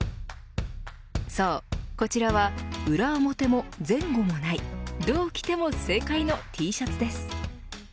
そう、こちらは裏表も前後もないどう着ても正解のＴシャツです。